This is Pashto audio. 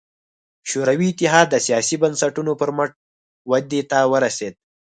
شوروي اتحاد د سیاسي بنسټونو پر مټ ودې ته ورسېد.